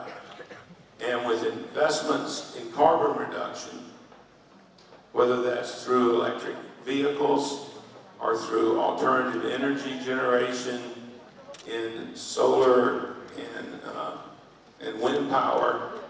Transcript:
dan dengan investasi dalam reduksi karbon apakah melalui kendaraan elektrik atau dengan generasi energi alternatif di solar dan wind power